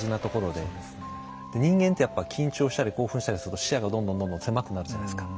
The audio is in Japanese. で人間ってやっぱ緊張したり興奮したりすると視野がどんどんどんどん狭くなるじゃないですか。